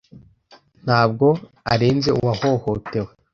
ntabwo arenze uwahohotewe